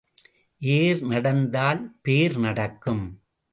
ஏர் நடந்தால் பேர் நடக்கும்.